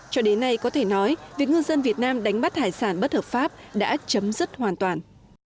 cho đến nay có thể nói việc ngư dân việt nam đánh bắt hải sản bất hợp pháp đã chấm dứt hoàn toàn